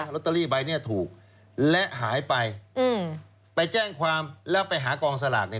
ลอตเตอรี่ใบเนี้ยถูกและหายไปอืมไปแจ้งความแล้วไปหากองสลากเนี่ย